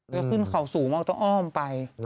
แล้วขึ้นเขาสูงเราต้องอ้อมไป